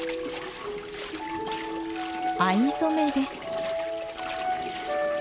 藍染めです。